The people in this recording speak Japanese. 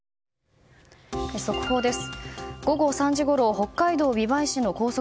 速報です。